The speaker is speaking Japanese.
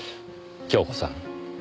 恭子さん